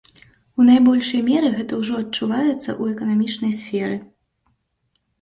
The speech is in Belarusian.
У найбольшай меры гэта ўжо адчуваецца ў эканамічнай сферы.